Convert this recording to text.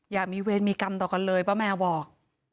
อย่ามีเวรมีกรรมต่อกันเลยป้าแมวบอก